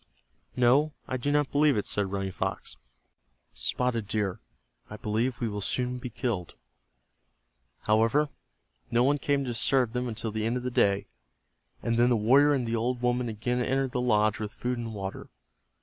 "No, I do not believe it," said Running Fox. "Spotted Deer, I believe we will soon be killed." However, no one came to disturb them until the end of the day, and then the warrior and the old woman again entered the lodge with food and water.